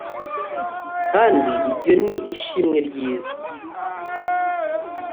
Kandi ibyo ni ishimwe ryiza